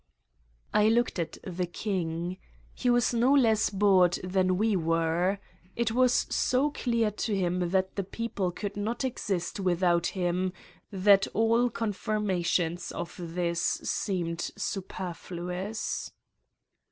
I looked at the king: he was no less bored than we were. It was so clear to him that the people could not exist without him that all confirmations of this seemed superfluous.